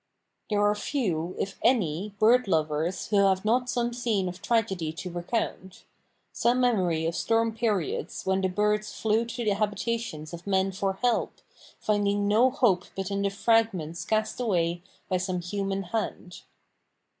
There are few, if any, bird lovers who have not some scene of tragedy to recount; some memory of storm periods when the birds flew to the habitations of men for help, finding no hope but in the fragments cast away by some human hand.